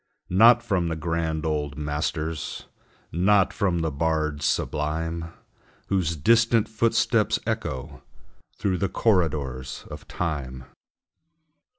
Not from the grand old masters, Not from the bards sublime, Whose distant footsteps echo Through the corridors of Time.